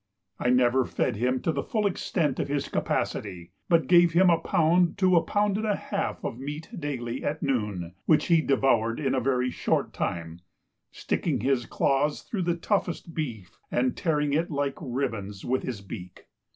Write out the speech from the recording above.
I never fed him to the full extent of his capacity, but gave him from a pound to a pound and a half of meat daily at noon, which he devoured in a very short time, sticking his claws through the toughest beef and tearing it like ribbons with his beak.